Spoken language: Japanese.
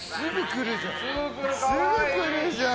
すぐ来るじゃん。